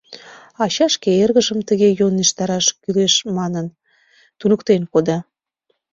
Ача шке эргыжым, тыге йӧнештараш кӱлеш манын, туныктен кода.